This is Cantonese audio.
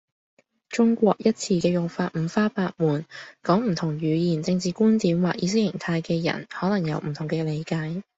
「中國」一詞嘅用法五花八門，講唔同語言，政治觀點或意識形態嘅人可能有唔同嘅理解